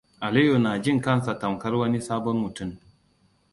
Aliyu na jin kansa tamkar wani sabon mutum.